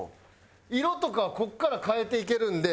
色とかはここから変えていけるんで。